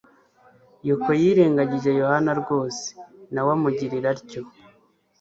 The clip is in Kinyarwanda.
yoko yirengagije yohana rwose, na we amugirira atyo